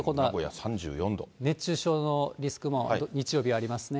熱中症のリスクも日曜日はありますね。